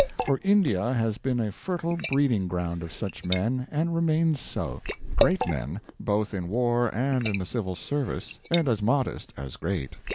For India has been a fertile breeding ground of such men, and remains so; great men, both in war and in the civil service, and as modest as great.